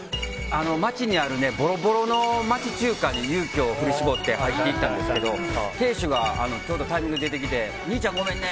街にある、ぼろぼろの町中華に勇気を振り絞って入っていったんですけど店主がちょうどタイミングで出てきて兄ちゃん、ごめんね